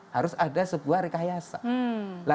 harus ada sebuah rekayasa